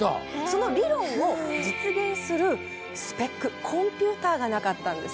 その理論を実現するスペックコンピューターがなかったんです。